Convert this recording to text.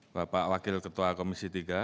bapak wakil ketua komisi tiga